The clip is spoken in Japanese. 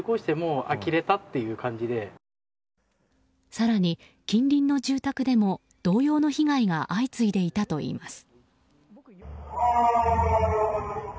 更に近隣の住宅でも同様の被害が相次いでいたといいます。